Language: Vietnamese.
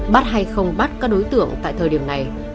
bắt hay không bắt các đối tượng tại thời điểm này